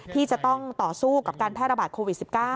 ที่จะต้องต่อสู้กับการแพร่ระบาดโควิด๑๙